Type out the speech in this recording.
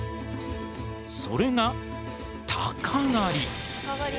それが鷹狩り。